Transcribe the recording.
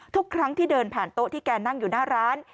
ทุกครั้งที่เดินผ่านโต๊ะที่แกนั่งอยู่หน้าร้าน